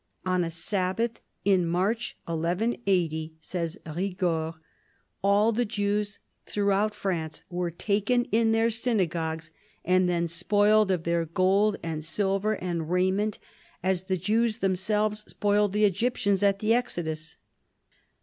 On a Sabbath in March 1180, says Eigord, " all the Jews throughout France were taken in their synagogues and then spoiled of their gold and silver and raiment, as the Jews themselves spoiled the Egyptians at the Exodus."